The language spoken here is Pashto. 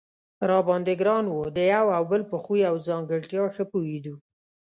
را باندې ګران و، د یو او بل په خوی او ځانګړتیا ښه پوهېدو.